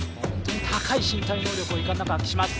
高い身体能力を遺憾なく発揮します。